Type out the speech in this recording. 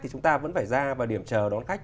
chúng ta vẫn phải ra và điểm chờ đón khách